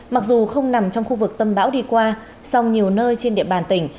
mặc dù không nằm trong khu vực tâm bão đi qua song nhiều nơi trên địa bàn tỉnh